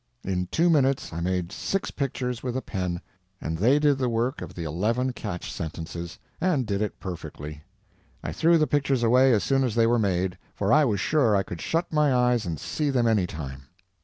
In two minutes I made six pictures with a pen, and they did the work of the eleven catch sentences, and did it perfectly. I threw the pictures away as soon as they were made, for I was sure I could shut my eyes and see them any time.